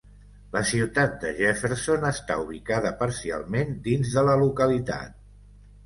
La ciutat de Jefferson està ubicada parcialment dins de la localitat.